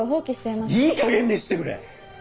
いいかげんにしてくれ！